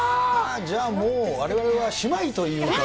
じゃあ、もうわれわれは姉妹というか。